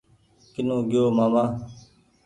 ڪينو گيو ماما